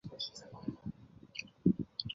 外婆还是很坚强